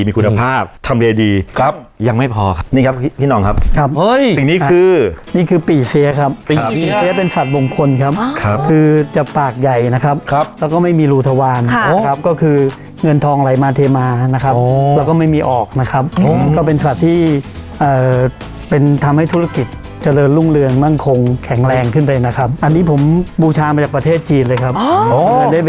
ที่สำคัญเนี่ยครับอย่าให้มีร่องน้ำข้างหน้าหรือด้านใต้